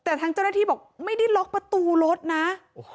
แต่ทางเจ้าหน้าที่บอกไม่ได้ล็อกประตูรถนะ